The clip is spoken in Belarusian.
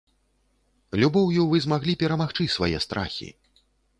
Любоўю вы змаглі перамагчы свае страхі.